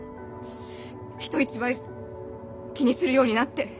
人一倍気にするようになって。